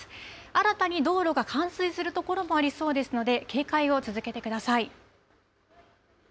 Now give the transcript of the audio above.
新たに道路が冠水する所もありそうですので、警戒を続けてください。